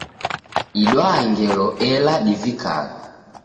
Idwaa ngelo ela divikagha.